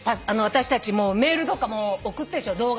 私たちもメールとかも送ってるでしょ？